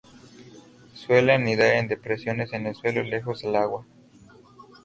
Suele anidar en depresiones en el suelo lejos del agua.